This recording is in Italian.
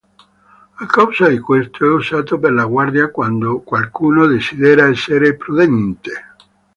A causa di questo, è usato per la guardia quando qualcuno desidera essere prudente.